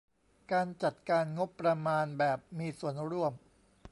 การจัดการงบประมาณแบบมีส่วนร่วม